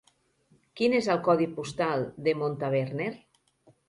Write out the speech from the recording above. Quin és el codi postal de Montaverner?